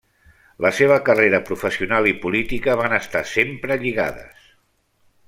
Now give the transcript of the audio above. La seva carrera professional i política van estar sempre lligades.